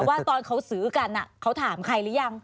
ว่าตอนเขาซื้อกันเขาถามใครหรือยัง